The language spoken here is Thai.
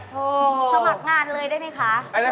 สมัครงานเลยได้ไหมคะ